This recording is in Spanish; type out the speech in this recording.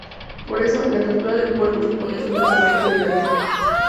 Por eso, la captura del puerto suponía su principal prioridad.